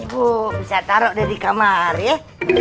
bu bisa taruh deh di kamar ya